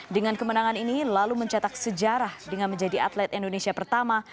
dengan kemenangan ini lalu mencetak sejarah dengan menjadi atlet indonesia pertama